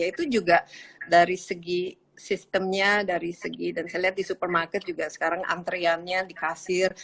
itu juga dari segi sistemnya dari segi dan saya lihat di supermarket juga sekarang antriannya di kasir